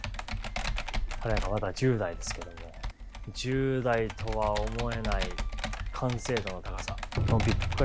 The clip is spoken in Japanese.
彼なんかまだ１０代ですけども１０代とは思えない完成度の高さ。